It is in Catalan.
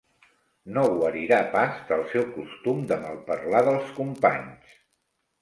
No guarirà pas del seu costum de malparlar dels companys.